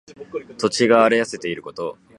土地が荒れ痩せていること。